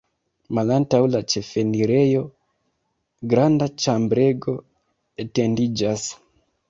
Malantaŭ la ĉefenirejo granda ĉambrego etendiĝas.